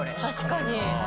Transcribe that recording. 確かに。